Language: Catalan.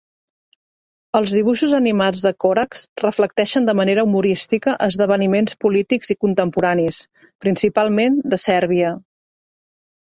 Els dibuixos animats de Corax reflecteixen de manera humorística esdeveniments polítics i contemporanis, principalment de Sèrbia.